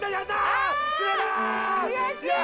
あ悔しい！